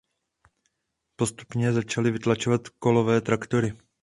Postupně je začaly vytlačovat kolové traktory.